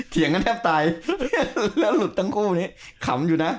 เถียงกันแทบตายแล้วหลุดทั้งคู่นี้ขำอยู่นะ